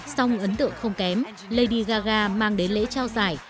song ấn tượng không kém lady gaga mang đến lễ trao giải